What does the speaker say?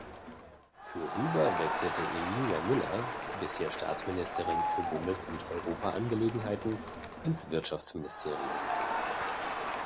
Für Huber wechselte Emilia Müller, bisher Staatsministerin für Bundes- und Europaangelegenheiten, ins Wirtschaftsministerium.